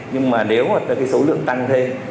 nhưng nếu một số lượng tăng thêm